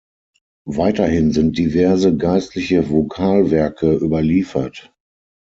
Weiterhin sind diverse geistliche Vokalwerke überliefert.